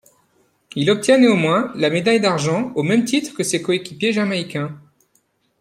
Il obtient néanmoins la médaille d'argent au même titre que ses coéquipiers jamaïcains.